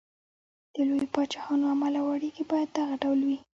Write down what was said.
د لویو پاچاهانو عمل او اړېکې باید دغه ډول وي.